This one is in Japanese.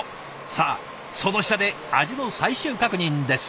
さあその舌で味の最終確認です。